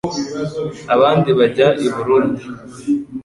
abandi bajya i Burundi